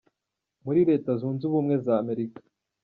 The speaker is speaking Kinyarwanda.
muri Leta zunze ubumwe za Amerika.